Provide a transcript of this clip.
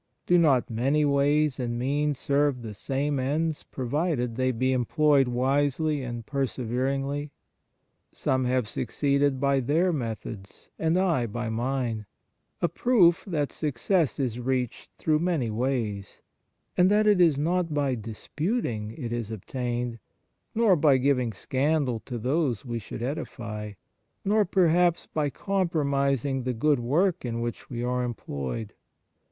Do not many ways and means serve the same ends provided they be employed wisely and perseveringly ? Some have succeeded by their methods, and I by mine a proof that success is reached through many ways, and that it is not by disputing it is obtained, nor by giving scandal to those we should edify, nor, perhaps, by compromising the good work in which we are employed.